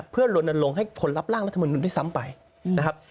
เพื่อลนลงให้ผลรับร่างรัฐมนุนด้วยซ้ำไปนะครับ